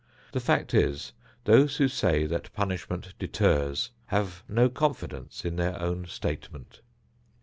The fact is, those who say that punishment deters have no confidence in their own statement.